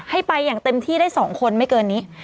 ให้ไปอย่างเต็มที่ได้๒คนไม่เกินนี้